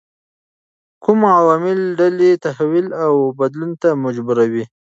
کوم عوامل ډلې تحول او بدلون ته مجبوروي؟